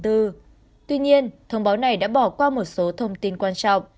tuy nhiên thông báo này đã bỏ qua một số thông tin quan trọng